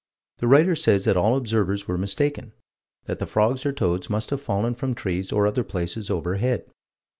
The writer says that all observers were mistaken: that the frogs or toads must have fallen from trees or other places overhead.